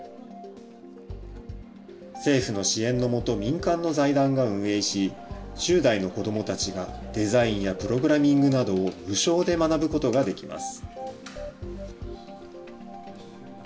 政府の支援の下、民間の財団が運営し、１０代の子どもたちがデザインやプログラミングなどを無償で学ぶことができます。